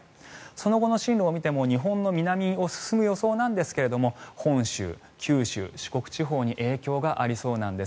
その後の進路を見ても日本の南を進む予想なんですが本州、九州、四国地方に影響がありそうなんです。